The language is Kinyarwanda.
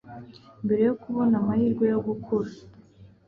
mbere yo kubona amahirwe yo gukura